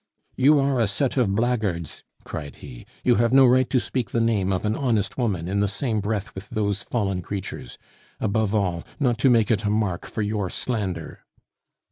"You are a set of blackguards!" cried he. "You have no right to speak the name of an honest woman in the same breath with those fallen creatures above all, not to make it a mark for your slander!"